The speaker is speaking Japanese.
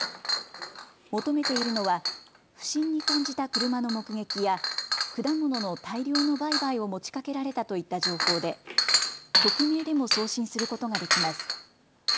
求めているのは不審に感じた車の目撃や果物の大量の売買を持ちかけられたといった情報で匿名でも送信することができます。